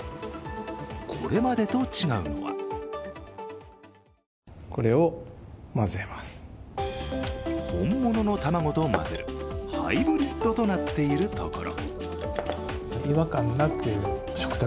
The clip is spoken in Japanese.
これまでと違うのは本物の卵と混ぜるハイブリッドとなっているところ。